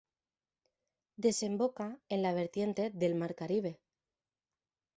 Desemboca en la vertiente del mar caribe.